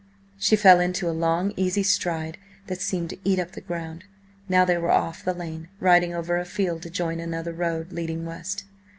She fell into a long, easy stride that seemed to eat up the ground. Now they were off the lane, riding over a field to join another road, leading west.